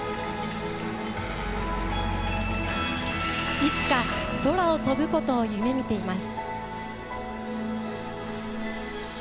いつか空を飛ぶことを夢みています。